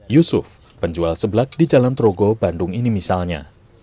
yusuf penjual sebelak di jalan progo bandung ini misalnya